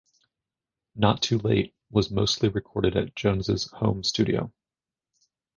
"Not Too Late" was mostly recorded at Jones' home studio.